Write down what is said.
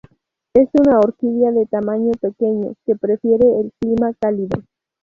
Es una orquídea de tamaño pequeño, que prefiere el clima cálido.